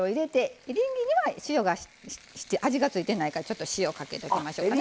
エリンギには味が付いてないからちょっと塩かけときましょうかね。